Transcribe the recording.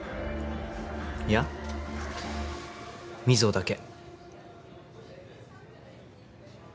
いや水穂だけ。